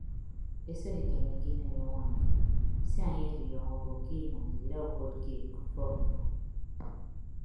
Esịd ikemeke inem añwaan mfo sia anye ọdiọñọ obo ke imọ idida ukod keed ke ufọk mfo.